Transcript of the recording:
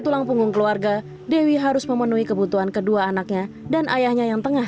tulang punggung keluarga dewi harus memenuhi kebutuhan kedua anaknya dan ayahnya yang tengah